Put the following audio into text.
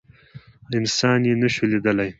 انسان يي نشي لیدلی